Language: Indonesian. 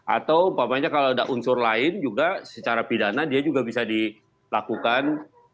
atau umpamanya kalau ada unsur lain juga secara pidana dia juga bisa dilakukan